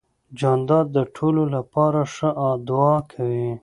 جانداد د ټولو لپاره ښه دعا کوي.